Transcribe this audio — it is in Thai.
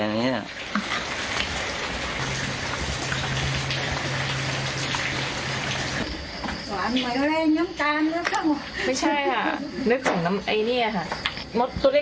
พร้อมทุกสิทธิ์